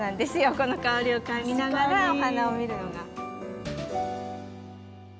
この香りを嗅ぎながらお花を見るのが。